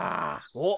おっ。